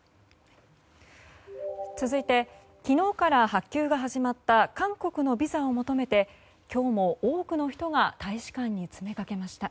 続いて昨日から発給が始まった韓国のビザを求めて今日も多くの人が大使館に詰めかけました。